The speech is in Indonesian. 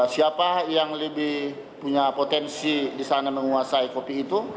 siapa yang lebih punya potensi disana menguasai kopi itu